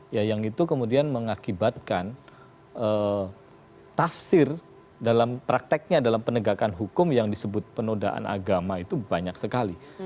ya yang itu kemudian mengakibatkan tafsir dalam prakteknya dalam penegakan hukum yang disebut penodaan agama itu banyak sekali